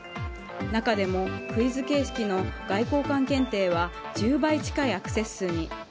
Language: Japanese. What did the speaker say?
中でも、クイズ形式の外交官検定は１０倍近いアクセス数に。